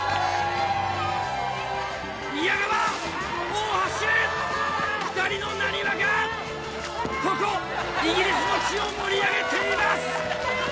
宮川大橋２人のなにわがここイギリスの地を盛り上げています！